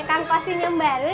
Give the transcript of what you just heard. kang kostin yang baru ya